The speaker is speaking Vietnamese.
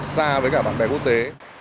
xa với cả bạn bè quốc tế